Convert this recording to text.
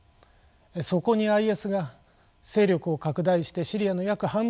そこにＩＳが勢力を拡大してシリアの約半分を支配しました。